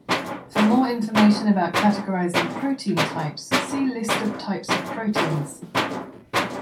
For more information about categorizing protein "types", see List of types of proteins.